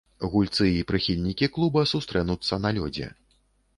Гульцы і прыхільнікі клуба сустрэнуцца на лёдзе.